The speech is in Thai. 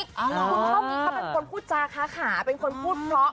เขาเป็นคนพูดจาค่าเป็นคนพูดเพราะ